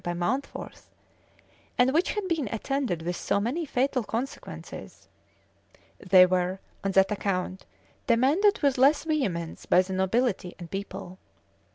by Mountfort, and which had been attended with so many fatal consequences, they were, on that account, demanded with less vehemence by the nobility and people.